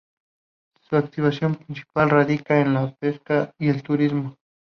Su actividad principal radica en la pesca y el turismo.